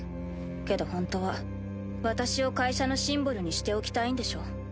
けどほんとは私を会社のシンボルにしておきたいんでしょ？